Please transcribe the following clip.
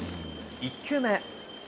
１球目。